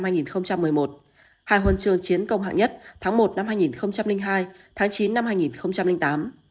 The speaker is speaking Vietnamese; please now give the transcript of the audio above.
hai huân chương chiến công hạng nhất tháng một năm hai nghìn hai tháng chín năm hai nghìn tám